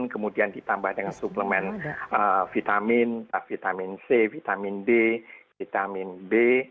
kemudian ditambah dengan suplemen vitamin vitamin c vitamin b vitamin b